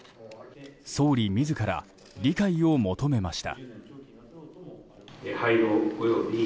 総理自ら理解を求めました。